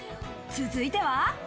続いては。